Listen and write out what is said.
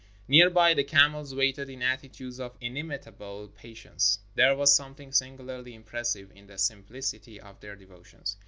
Near by, the camels waited in attitudes of inimitable patience. There was something singularly impressive in the simplicity of their devotions.